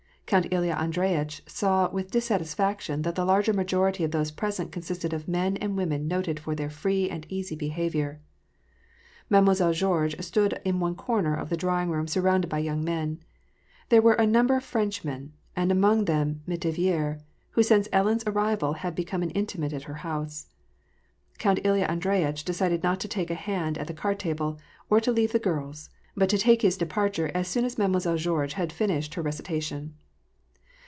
Count Ilya Andreyitch saw with dissatisfaction that the larger majority of those present consisted of men and women noted for their free and easy behavior. Mademoiselle Georges stood in one comer of the drawing room surrounded by young men. There were a number of Frenchmen, and among them M^tivier, who since Ellen's arri val had beeome an intimate at her house. Count Ilya Andre yitch decided not to take a han^ at the card table, or to leave the girls, but to take his departure as soon as Mademoiselle Georges had finished her recitation.